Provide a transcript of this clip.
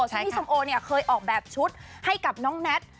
ซึ่งพี่สมโอเนี่ยเคยออกแบบชุดให้กับน้องแน็ต